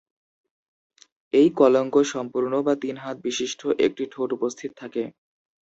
এই কলঙ্ক সম্পূর্ণ বা তিন হাত বিশিষ্ট; একটি ঠোঁট উপস্থিত থাকে।